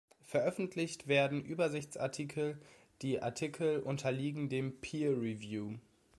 Veröffentlicht werden Übersichtsartikel, die Artikel unterliegen dem Peer Review.